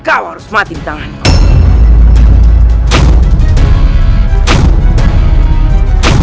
kau harus mati di tanganku